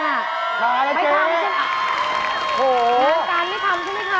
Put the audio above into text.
วงการไม่ทำใช่ไหมคะ